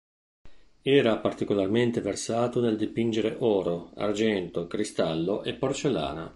Era particolarmente versato nel dipingere oro, argento, cristallo e porcellana.